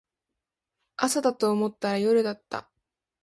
朝だと思ったら夜だった